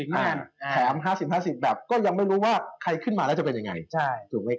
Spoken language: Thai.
แม่นแถม๕๐๕๐แบบก็ยังไม่รู้ว่าใครขึ้นมาแล้วจะเป็นยังไงถูกไหมค